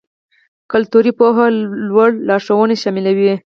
کلتوري پوهه لوړ لارښوونې شاملوي.